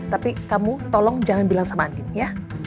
tapi kamu tolong jangan bilang sama ani ya